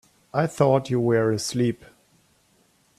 I thought you were asleep.